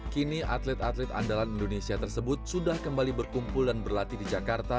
kini atlet atlet andalan indonesia tersebut sudah kembali berkumpul dan berlatih di jakarta